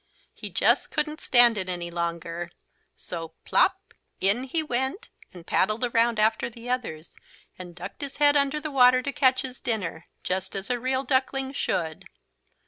He just couldn't stand it any longer. So plopp in he went and paddled around after the others, and ducked his head under the water to catch his dinner, just as a real duckling should.